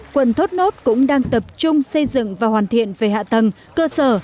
quận thốt nốt cũng đang tập trung xây dựng và hoàn thiện về hạ tầng cơ sở